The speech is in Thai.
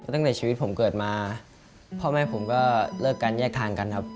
ตั้งแต่ชีวิตผมเกิดมาพ่อแม่ผมก็เลิกกันแยกทางกันครับ